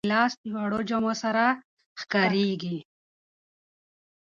ګیلاس د وړو جامو سره ښکارېږي.